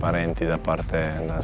karena ada keluarga